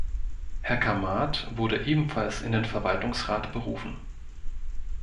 Herr Kamat wurde ebenfalls in den Verwaltungsrat berufen.